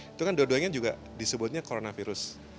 itu kan dua duanya juga disebutnya coronavirus